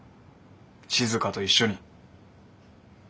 静と一緒に。